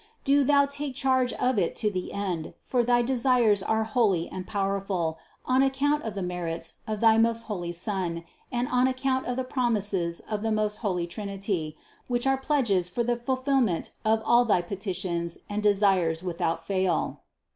do Thou take charge of it to the end ; for thy desires are holy and pow erful on account of the merits of thy most holy Son and on account of the promises of the most holy Trinity, which are pledges for the fulfillment of all thy petitions and desires without fail.